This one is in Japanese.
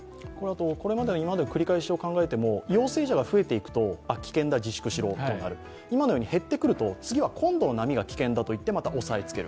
これまでの繰り返しを考えても陽性者が増えていくと危険だ、自粛しろとなってくる、今のように減ってくると次は今度の波が危険だといってまた押さえつける。